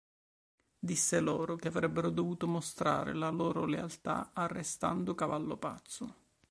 Disse loro che avrebbero dovuto mostrare la loro lealtà arrestando Cavallo Pazzo.